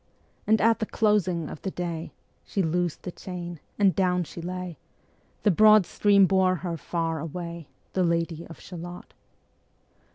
And at the closing of the day She loosed the chain, and down she lay; The broad stream bore her far away, Ā Ā The Lady of Shalott.